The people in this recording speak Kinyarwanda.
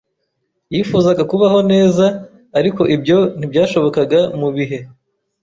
Yifuzaga kubaho neza, ariko ibyo ntibyashobokaga mu bihe.